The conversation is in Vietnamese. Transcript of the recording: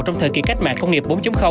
trong thời kỳ cách mạng công nghiệp bốn